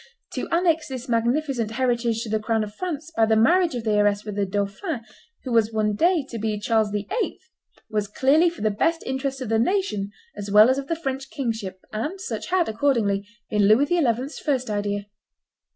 To annex this magnificent heritage to the crown of France by the marriage of the heiress with the dauphin who was one day to be Charles VIII., was clearly for the best interests of the nation as well as of the French kingship, and such had, accordingly, been Louis XI.'s first idea.